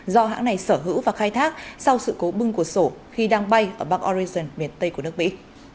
do hãng này sở hữu và khai thác sau sự cố bưng của sổ khi đang bay ở bắc oregon miền tây của nước mỹ